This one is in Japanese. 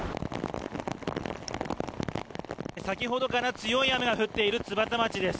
先ほどから強い雨が降っている津幡町です。